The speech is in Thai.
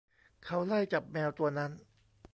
เขาไล่จับแมวตัวนั้น